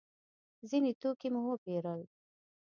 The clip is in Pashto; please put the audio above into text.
ځینې توکي مو وپېرل.